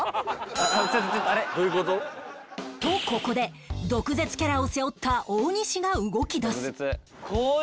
ここで毒舌キャラを背負った大西が動き出す